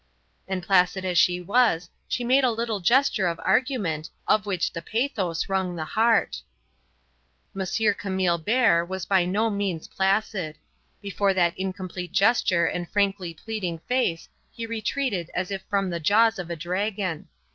And placid as she was, she made a little gesture of argument, of which the pathos wrung the heart. M. Camille Bert was by no means placid. Before that incomplete gesture and frankly pleading face he retreated as if from the jaws of a dragon.